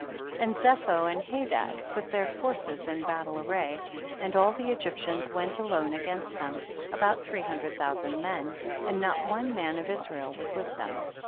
30. And Zepho and Hadad put their forces in battle array, and all the Egyptians went alone against them, about three hundred thousand men, and not one man of Israel was with them.